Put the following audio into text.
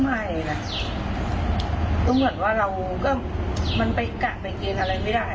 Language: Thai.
ต้องเห็นว่าเราก็มันไปกะไปเกลียนอะไรไม่ได้